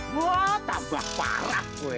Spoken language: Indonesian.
wah tambah parah weh